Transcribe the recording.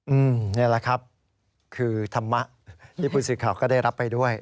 นี่แหละครับคือธรรมะที่ผู้สื่อข่าวก็ได้รับไปด้วย